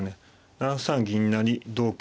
７三銀成同桂